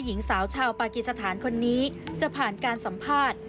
หญิงสาวชาวปากีสถานคนนี้จะผ่านการสัมภาษณ์